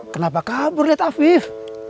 kenapa kabur det afif